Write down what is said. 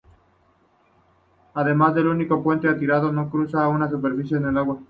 Además de ser el único puente atirantado que no cruza una superficie de agua.